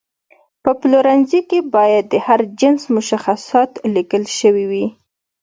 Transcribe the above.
په پلورنځي کې باید د هر جنس مشخصات لیکل شوي وي.